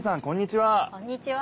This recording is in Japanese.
こんにちは。